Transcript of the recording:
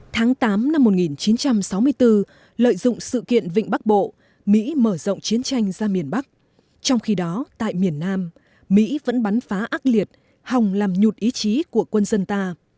tháng tám năm một nghìn chín trăm sáu mươi bốn lợi dụng sự kiện vịnh bắc bộ mỹ mở rộng chiến tranh ra miền bắc trong khi đó tại miền nam mỹ vẫn bắn phá ác liệt hòng làm nhụt ý chí của quân dân ta